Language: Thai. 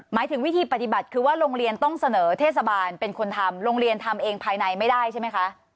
หมายถึงวิธีปฏิบัติคือว่าโรงเรียนต้องเสนอเทศบาลเป็นคนทำโรงเรียนทำเองภายในไม่ได้ใช่ไหมคะ